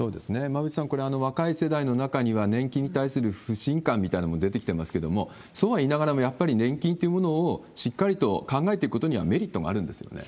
馬渕さん、これは若い世代の中には、年金に対する不信感みたいなものも出てきてますけれども、そうは言いながらも、やっぱり年金というものをしっかりと考えていくことにはメリットがあるんですよね。